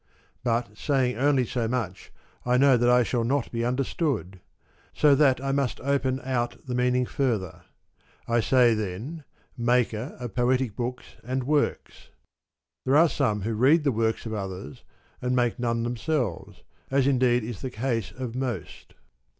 But saying only so much I know that I shall not be understood ; so that I must open out the meaning further. I mean, then, [maker] of poetic books and works. There are some who read the works of others and make none themselves, as indeed is the case of most.